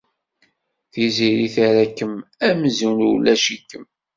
Tiziri terra-kem amzun ulac-ikem.